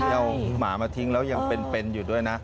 เอาหมามาทิ้งแล้วยังเป็นอยู่ด้วยนะ